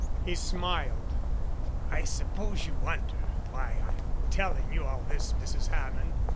He smiled. "I suppose you wonder why I'm telling you all this, Mrs. Hammond.